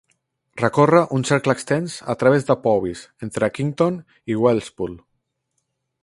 Recorre un cercle extens a través de Powys, entre Knighton i Welshpool.